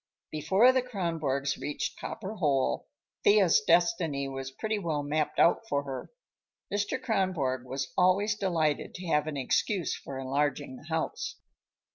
Before the Kronborgs reached Copper Hole, Thea's destiny was pretty well mapped out for her. Mr. Kronborg was always delighted to have an excuse for enlarging the house.